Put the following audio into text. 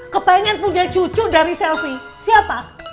kepengen punya cucu dari selfie siapa